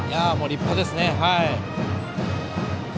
立派ですね。